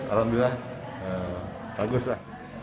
alhamdulillah bagus lah